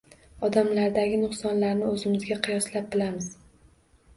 Odamlardagi nuqsonlarni o’zimizga qiyoslab bilamiz